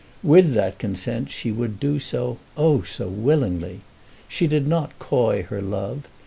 With that consent she would do so, oh, so willingly! She did not coy her love.